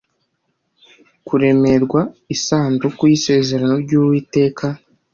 kuremērwa isanduku y’isezerano ry’Uwiteka